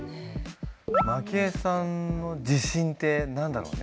マキエさんの自信って何だろうね。